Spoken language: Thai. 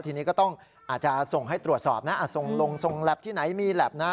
ทีนี้ก็ต้องอาจจะส่งให้ตรวจสอบนะส่งลงส่งแล็บที่ไหนมีแล็บนะ